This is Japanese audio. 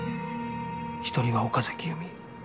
１人は岡崎由美